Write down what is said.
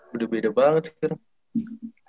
beda beda banget sih